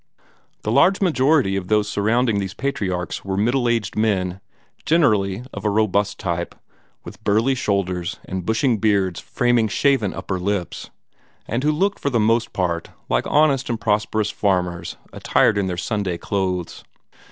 The large majority of those surrounding these patriarchs were middle aged men, generally of a robust type, with burly shoulders, and bushing beards framing shaven upper lips, and who looked for the most part like honest and prosperous farmers attired in their Sunday clothes.